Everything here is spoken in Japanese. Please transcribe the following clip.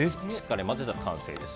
混ぜ合わせたら完成です。